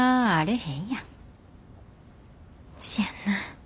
せやんな。